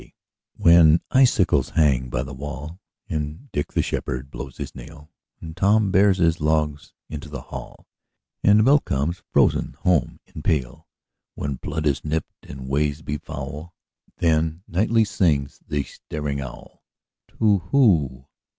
Winter WHEN icicles hang by the wallAnd Dick the shepherd blows his nail, And Tom bears logs into the hall, And milk comes frozen home in pail; When blood is nipt, and ways be foul, Then nightly sings the staring owlTu whoo!